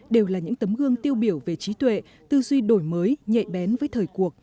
đều là những tấm gương tiêu biểu về trí tuệ tư duy đổi mới nhạy bén với thời cuộc